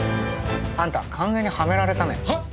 あんた完全にハメられたねはあ？